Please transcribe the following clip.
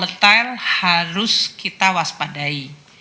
betul harus kita waspadai